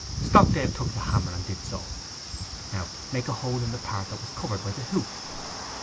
Stockdale took the hammer and did so. 'Now make the hole in the part that was covered by the hoop.